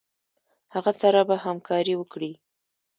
هغه سره به همکاري وکړي.